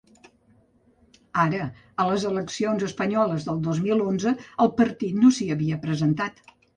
Ara, a les eleccions espanyoles del dos mil onze el partit no s’hi havia presentat.